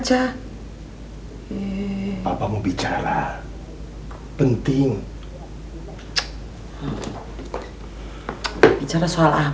kalau kamu mau bicara